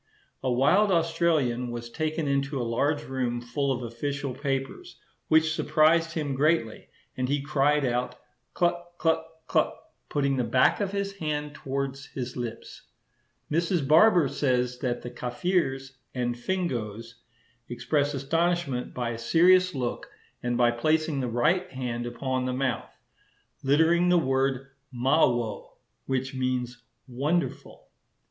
A wild Australian was taken into a large room full of official papers, which surprised him greatly, and he cried out, cluck, cluck, cluck, putting the back of his hand towards his lips. Mrs. Barber says that the Kafirs and Fingoes express astonishment by a serious look and by placing the right hand upon the mouth, uttering the word mawo, which means 'wonderful.